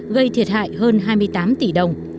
gây thiệt hại hơn hai mươi tám tỷ đồng